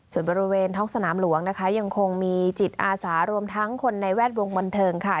ส่วนบริเวณท้องสนามหลวงนะคะยังคงมีจิตอาสารวมทั้งคนในแวดวงบันเทิงค่ะ